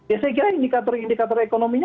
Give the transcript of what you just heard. ya saya kira indikator indikator ekonominya